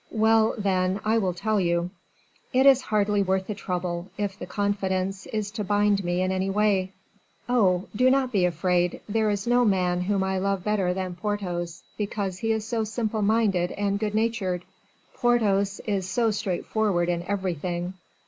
"Well, then, I will tell you." "It is hardly worth the trouble, if the confidence is to bind me in any way." "Oh! do not be afraid.; there is no man whom I love better than Porthos, because he is so simple minded and good natured. Porthos is so straightforward in everything.